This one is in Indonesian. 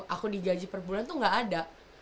aku dijaji perbulan tuh gak ada